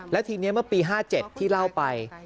และทีนี้เมื่อปี๕๗ที่เล่าไป